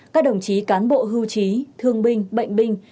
các đồng chí cán bộ hưu trí thương binh bệnh binh